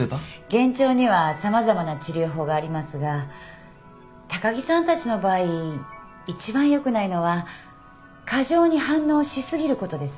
幻聴には様々な治療法がありますが高木さんたちの場合一番良くないのは過剰に反応し過ぎることです。